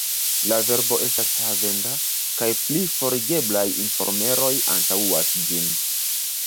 La verbo estas havenda, kaj pli forigeblaj informeroj antaŭas ĝin.